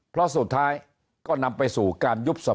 เพราะสุดท้ายก็นำไปสู่การยุบสภา